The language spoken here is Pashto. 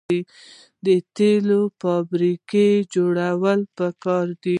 د تیلو فابریکې جوړول پکار دي.